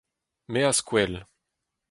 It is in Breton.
Me az kwel.